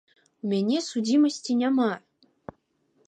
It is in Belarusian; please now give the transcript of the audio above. У мяне судзімасці няма.